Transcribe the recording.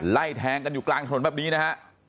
ไล่แทงกันอยู่กลางถนนแบบนี้นะฮะ